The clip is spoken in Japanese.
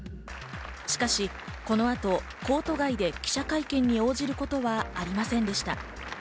しかし、この後コート外で記者会見に応じることはありませんでした。